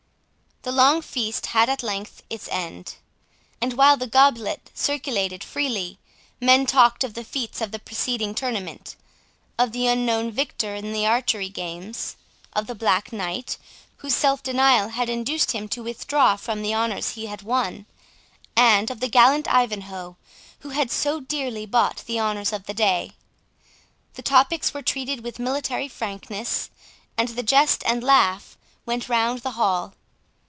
The long feast had at length its end; and, while the goblet circulated freely, men talked of the feats of the preceding tournament,—of the unknown victor in the archery games, of the Black Knight, whose self denial had induced him to withdraw from the honours he had won,—and of the gallant Ivanhoe, who had so dearly bought the honours of the day. The topics were treated with military frankness, and the jest and laugh went round the hall.